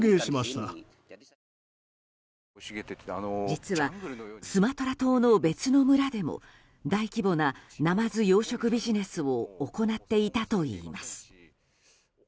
実はスマトラ島の別の村でも大規模なナマズ養殖ビジネスを行っていたといいます。